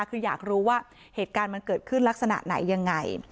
คืออยากรู้ว่าเหตุการณ์มันเกิดขึ้นลักษณะไหนยังไง